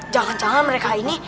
jangan jangan mereka ini